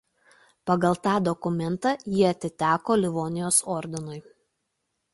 Pagal tą dokumentą ji atiteko Livonijos ordinui.